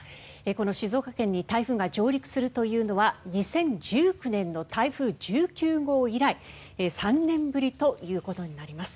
この静岡県に台風が上陸するというのは２０１９年の台風１９号以来３年ぶりということになります。